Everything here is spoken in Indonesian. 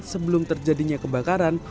sebelum terjadinya kebakaran